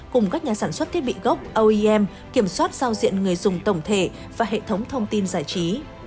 cùng các nhà sản xuất thiết bị gốc oem kiểm soát giao diện người dùng tổng thể và hệ thống thông tin giải trí